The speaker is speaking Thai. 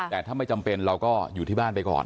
แต่ถ้าไม่จำเป็นเราก็อยู่ที่บ้านไปก่อน